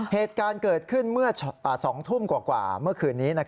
เหตุการณ์เกิดขึ้นเมื่อ๒ทุ่มกว่าเมื่อคืนนี้